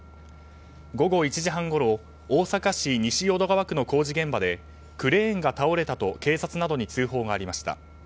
午後１時半ごろ大阪市西淀川区の工事現場でクレーンが倒れたと警察などに通報がありました。